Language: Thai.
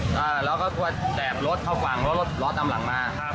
แล้วก็แจบรถขวางรถด็อปร้องล้อตามหลังมา